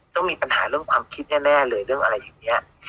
ต้องมีปัญหาเรื่องความคิดแน่เลยเรื่องอะไรอย่างนี้